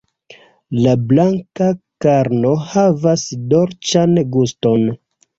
La blanka karno havas dolĉan guston.